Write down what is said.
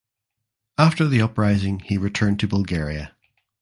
After the uprising he returned to Bulgaria.